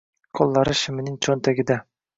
Qo'llari shimining cho'nchagida.